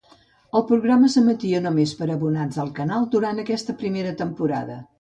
El programa s'emetia només per a abonats del canal durant aquesta primera temporada.